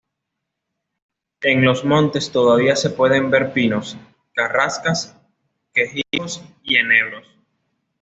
En los montes todavía se pueden ver pinos, carrascas, quejigos y enebros.